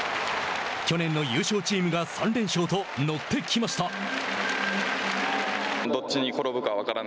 去年の優勝チームが３連勝と乗ってきました。